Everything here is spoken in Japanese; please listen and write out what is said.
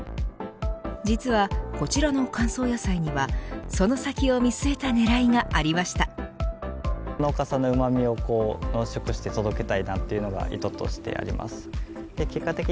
実は、こちらの乾燥野菜にはその先を見据えた狙いがありました。